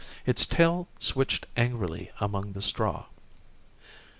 Its tail switched angrily among the straw.